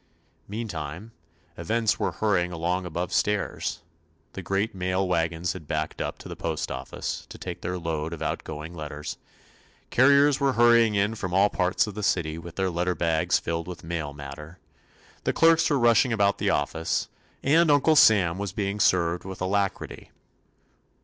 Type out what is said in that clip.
Meantime events were hurrying along above stairs; the great mail wagons had backed up to the post office to take their load of outgoing letters, carriers were hurrying in from all parts of the city with their letter bags filled with mail matter, the 19 THE ADVENTURES OF clerks were rushing about the office, and Uncle Sam was being served with alacrity.